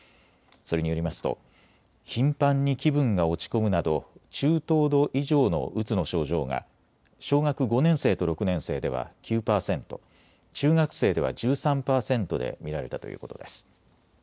それによりますと頻繁に気分が落ち込むなど中等度以上のうつの症状が小学５年生と６年生では９％、中学生では１３％で見られたということです。